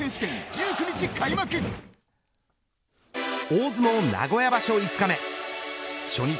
大相撲名古屋場所５日目初日